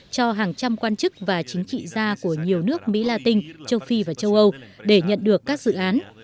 cho hàng trăm quan chức và chính trị gia của nhiều nước mỹ la tinh châu phi và châu âu để nhận được các dự án